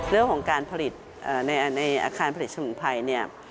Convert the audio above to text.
เรื่องของการผลิตในอาคารผลิตสมุนไพรเนี่ย